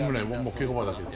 稽古場だけ。